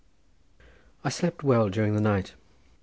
I slept well during the night.